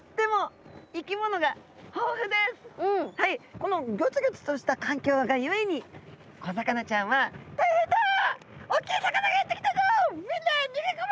このギョツギョツとした環境がゆえに小魚ちゃんは「大変だ！おっきい魚がやって来たぞ。みんな逃げ込め！